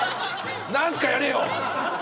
何かやれよ！